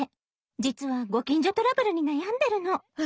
実はご近所トラブルに悩んでるの。え！？